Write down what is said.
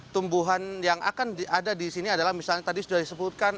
tumbuhan yang akan ada di sini adalah misalnya tadi sudah disebutkan